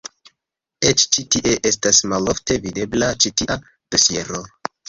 Eĉ ĉi tie estas malofte videbla ĉi tia dosiero.